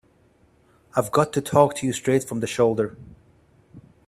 I've got to talk to you straight from the shoulder.